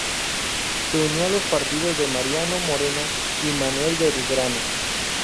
Se unió a los partidarios de Mariano Moreno y Manuel Belgrano.